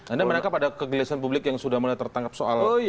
anda menangkap ada kegelisahan publik yang sudah mulai tertangkap soal ini